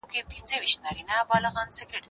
زه اجازه لرم چې اوبه وڅښم،